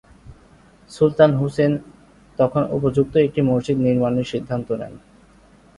সুলতান হুসেন তখন উপযুক্ত একটি মসজিদ নির্মাণের সিদ্ধান্ত নেন।